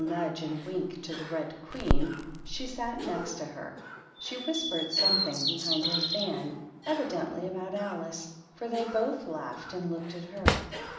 nudge and wink to the Red Queen, who sat m to her, she whispered something behind her £ evidently about Alice, for they both laughed a looked at her.